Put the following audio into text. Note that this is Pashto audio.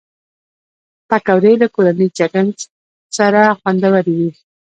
پکورې له کورني چټن سره خوندورې وي